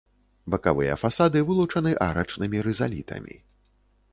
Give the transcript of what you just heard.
Бакавыя фасады вылучаны арачнымі рызалітамі.